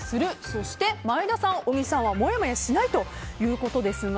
そして、前田さん、小木さんはもやもやしないということですが。